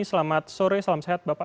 selamat sore salam sehat bapak